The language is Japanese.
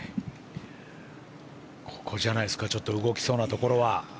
ここじゃないですか動きそうなところは。